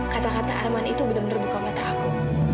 kata kata arman itu benar benar buka mata aku